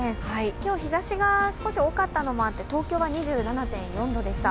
今日、日ざしが少し多かったのもあって、東京は２７．４度でした。